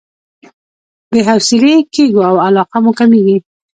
بې حوصلې کېږو او علاقه مو کميږي.